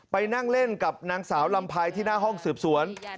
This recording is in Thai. ไปนั่งเล่นกับนางสาวลำไพรที่หน้าห้องสืบสวน